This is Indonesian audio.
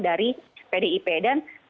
dari pdip dan